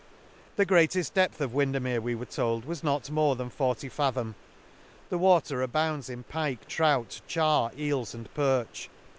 • The greateft depth of Windermere, we were told, was not more than forty fa thorn ; the water abounds in pike, trout, char, eels, and perch.